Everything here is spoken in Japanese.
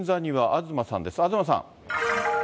東さん。